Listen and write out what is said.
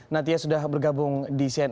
natia sudah bergabung dengan kita sekarang